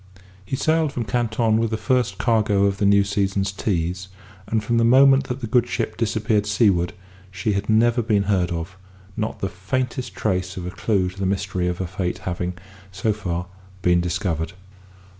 He sailed from Canton with the first cargo of the new season's teas, and from the moment that the good ship disappeared seaward she had never been heard of; not the faintest trace of a clue to the mystery of her fate having, so far, been discovered.